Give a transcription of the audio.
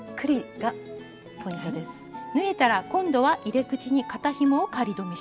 縫えたら今度は入れ口に肩ひもを仮留めします。